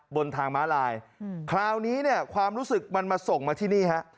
บนทางม้าลายคราวนี้เนี่ยความรู้สึกมันมาส่งมาที่นี่ฮะ